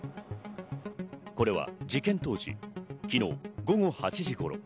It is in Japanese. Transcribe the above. これは事件当時、昨日午後８時頃。